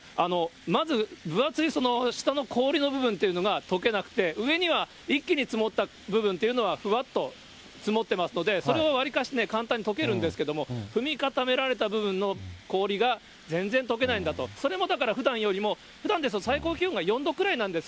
まず、分厚い下の氷の部分というのがとけなくて、上には、一気に積もった部分というのは、ふわっと積もってますので、それはわりかし簡単にとけるんですけども、踏み固められた部分の氷が全然とけないんだと、それもだから、ふだんよりも、ふだんですと、最高気温が４度くらいなんです。